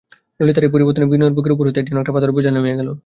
ললিতার এই পরিবর্তনে বিনয়ের বুকের উপর হইতে যেন একটা পাথরের বোঝা নামিয়া গেল।